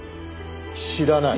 知らない。